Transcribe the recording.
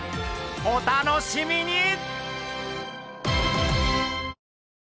お楽しみに！